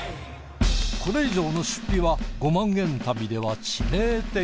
これ以上の出費は５万円旅では致命的。